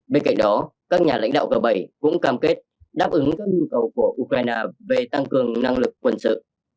bên cạnh đó các nhà lãnh đạo g bảy cũng cam kết đáp ứng các nhu cầu của ukraine về tăng cường năng lực quân sự